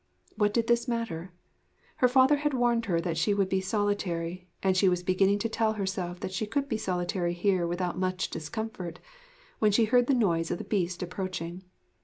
What did this matter? Her father had warned her that she would be solitary; and she was beginning to tell herself that she could be solitary here without much discomfort, when she heard the noise of the Beast approaching.